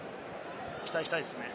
期待したいですね。